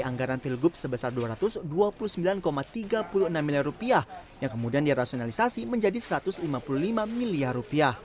anggaran pilgub sebesar rp dua ratus dua puluh sembilan tiga puluh enam miliar yang kemudian dirasionalisasi menjadi rp satu ratus lima puluh lima miliar